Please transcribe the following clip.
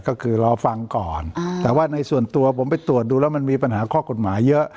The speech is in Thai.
ก็คือรอฟังก่อนแต่ว่าในส่วนตัวผมไปตรวจดูแล้วมันมีปัญหาข้อกฎหมายเยอะ